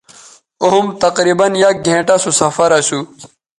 او ھُم تقریباً یک گھنٹہ سو سفراسو